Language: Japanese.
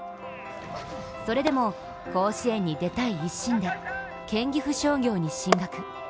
それでも、甲子園に出たい一心で県岐阜商業に進学。